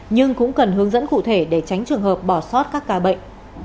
nhưng cũng cần hướng dẫn cụ thể để tránh trường hợp bỏ sót các ca bệnh